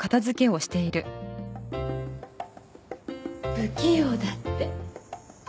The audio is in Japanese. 不器用だって。